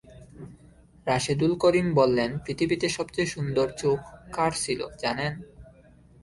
রাশেদুল করিম বললেন, পৃথিবীতে সবচেয়ে সুন্দর চোখ কার ছিল জানেন?